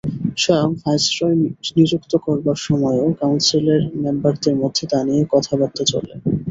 স্বয়ং ভাইসরয় নিযুক্ত করবার সময়েও কাউন্সিলের মেম্বারদের মধ্যে তা নিয়ে কথাবার্তা চলে।